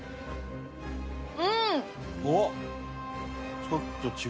おっ！